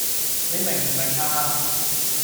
你明唔明呀